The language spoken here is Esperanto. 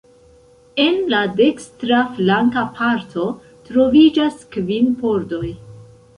En la dekstra flanka parto troviĝas kvin pordoj.